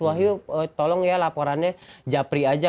wah yuk tolong ya laporannya japri aja